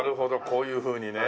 こういうふうにね。